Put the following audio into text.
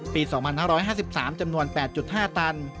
ปี๒๕๕๓จำนวน๘๕ตัน